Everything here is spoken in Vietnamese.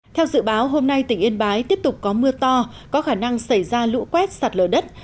theo dự báo hôm nay tỉnh yên bái tiếp tục có mưa to có khả năng xảy ra lũ quét sạt lở đất